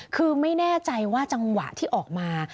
คือไม่แน่ใจว่าจังหวะที่ออกมา